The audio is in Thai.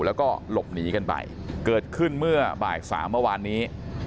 แล้วก็หลบหนีกันไปเกิดขึ้นเมื่อบ่ายสามเมื่อวานนี้